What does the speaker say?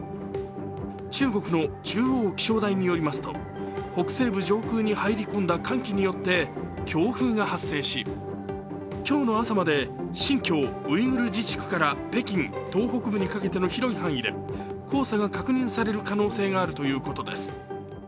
中国の中央気象台によりますと北西部上空に入り込んだ寒気によって強風が発生し、今日の朝まで新疆ウイグル自治区から北京東北部にかけての広い範囲で黄砂が確認される可能性があるということです。